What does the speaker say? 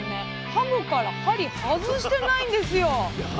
はもから針外してないんですよ。